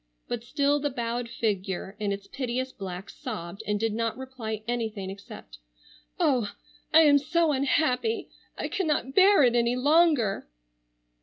But still the bowed figure in its piteous black sobbed and did not reply anything except, "Oh, I am so unhappy! I cannot bear it any longer."